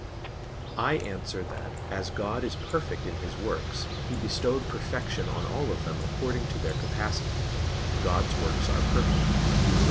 I answer that, As God is perfect in His works, He bestowed perfection on all of them according to their capacity: "God's works are perfect" (Deut.